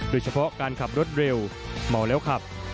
โดยเฉพาะการขับรถเร็วเมาแล้วขับ